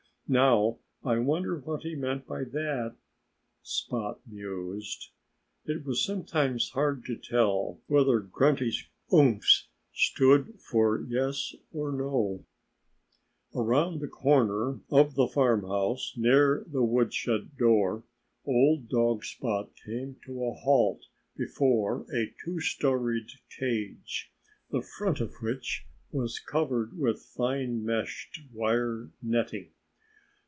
"Now, I wonder what he meant by that!" Spot mused. It was sometimes hard to tell whether Grunty's umphs stood for yes or no. Around the corner of the farmhouse, near the woodshed door, old dog Spot came to a halt before a two storied cage, the front of which was covered with fine meshed wire netting.